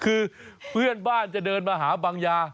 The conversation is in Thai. คือเพื่อนบ้านจะเดินมาหาบางยา